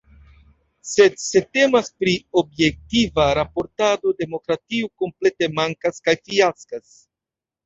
Sed se temas pri objektiva raportado, demokratio komplete mankas kaj fiaskas.